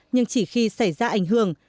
nhưng chỉ khi xảy ra ảnh hưởng